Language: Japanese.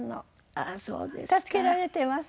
助けられてます。